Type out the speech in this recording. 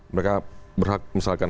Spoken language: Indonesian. mereka berhak misalkan